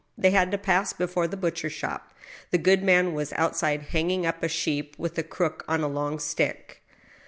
They had to pass before the butcher's door. The good man was outside, hanging up a sheep with a crook on a long stick.